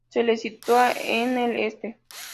Se le sitúa en el este.